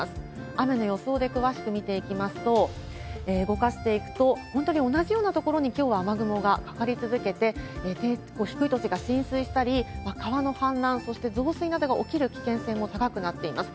雨の予想で詳しく見ていきますと、動かしていくと、本当に同じような所にきょうは雨雲がかかり続けて、低い土地が浸水したり、川の氾濫、そして増水などが起きる危険性も高くなっています。